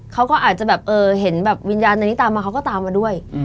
เขาก็อาจจะเห็นวิญญาณในนี้ตามมาเขาก็ตามมาด้วย